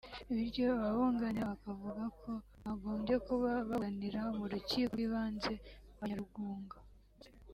bityo ababunganira bakavuga ko bagombye kuba baburanira mu Rukiko rw’ibanze rwa Nyarugunga